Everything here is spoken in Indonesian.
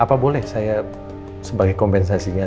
apa boleh saya sebagai kompensasinya